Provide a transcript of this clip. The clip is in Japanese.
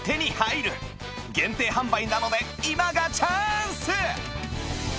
限定販売なので今がチャンス！